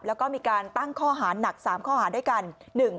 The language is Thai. แล้วก็มีการตั้งข้อหาหนัก๓ข้อหาด้วยกัน